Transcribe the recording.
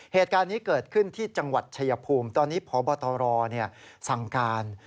เหตุการณ์นี้เกิดขึ้นที่จังหวัดชายภูมิตอนนี้พบตรสั่งการ